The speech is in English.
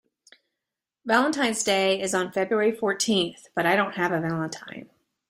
Valentine's Day is on February fourteenth, but I don't have a valentine.